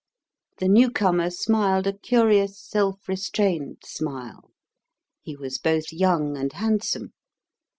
The newcomer smiled a curious self restrained smile. He was both young and handsome.